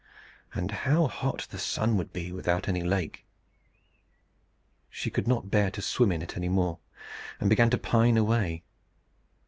And how hot the sun would be without any lake! She could not bear to swim in it any more, and began to pine away.